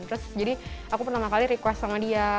terus jadi aku pertama kali request sama dia